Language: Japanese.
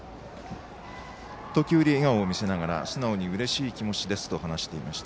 時折笑顔を見せながら素直にうれしい気持ちですと話していました。